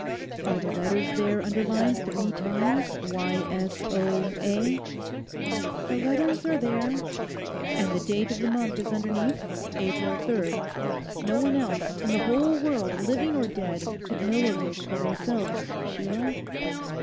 'Are the letters there underlined three times—"Y.S.O.A."?' 'The letters are there.' 'And the date of the month is underneath, "April 3rd." No one else in the whole world, living or dead, could know of this but ourselves, Sheila?